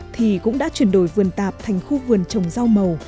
thì cũng đã chuyển đổi vườn tạp thành khu vườn trồng rau màu